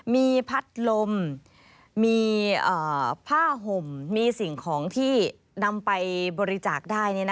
มีพัดลมมีผ้าห่มมีสิ่งของที่นำไปบริจาคได้